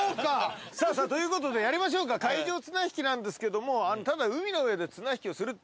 さあさあということでやりましょうか海上綱引きなんですけども。